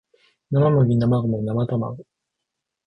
生麦生ゴミ生卵